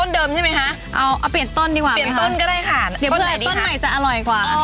เดี๋ยวเพื่อนใหม่ต้นใหม่จะอร่อยกว่า